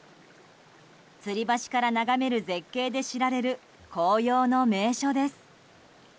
つり橋から眺める絶景で知られる紅葉の名所です。